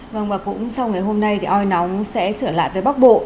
vâng và cũng sau ngày hôm nay thì oi nóng sẽ trở lại với bắc bộ